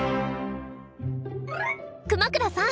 熊倉さん！